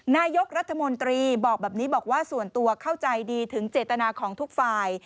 นายกรัฐมนตรีบอกแบบนี้บอกว่าส่วนตัวเข้าใจดีถึงเจตนาของทุกฝ่าย